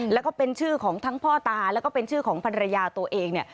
แล้วก็เป็นชื่อของทั้งพ่อตาแล้วก็เป็นชื่อของภรรยาตัวเองเนี่ย